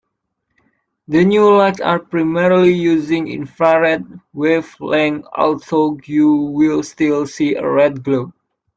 The new lights are primarily using infrared wavelength, although you will still see a red glow.